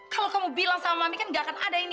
kalau kamu bilang sama mami kan gak akan ada ini